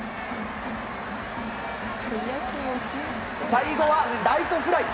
最後は、ライトフライ！